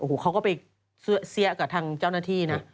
โอ้โหเขาก็ไปเสี้ยกับทางเจ้าหน้าที่นะ